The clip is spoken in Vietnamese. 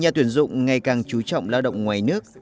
nhà tuyển dụng ngày càng chú trọng lao động ngoài nước